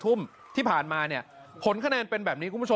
กายุ่ง